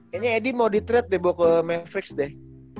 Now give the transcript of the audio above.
kayaknya ad mau di threat deh bawa ke mavericks deh